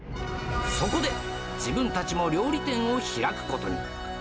そこで、自分たちも料理店を開くことに。